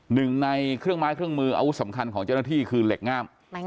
หนึ่งในเครื่องไม้เครื่องมืออาวุธสำคัญของเจ้าหน้าที่คือเหล็กงาม